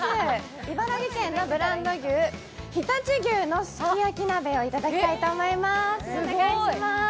茨城県のブランド牛、常陸牛のお鍋をいただきたいと思います。